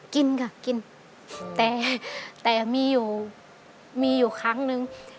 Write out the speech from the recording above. กินค่ะกินแต่มีอยู่ครั้งหนึ่ง